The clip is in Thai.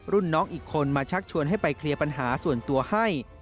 รุ่นน้องอีกคนมาชักชวนให้ไปเคลียร์ปัญหาส่วนตัวให้